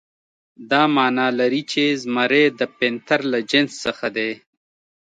دا معنی لري چې زمری د پینتر له جنس څخه دی.